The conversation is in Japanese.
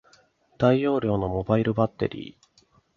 大容量のモバイルバッテリー